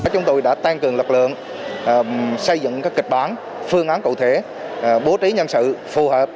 chúng tôi đã tăng cường lực lượng xây dựng các kịch bản phương án cụ thể bố trí nhân sự phù hợp